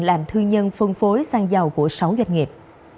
làm thương nhân phân phối xăng dầu của sáu doanh nghiệp